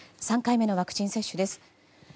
３回目のワクチン接種です。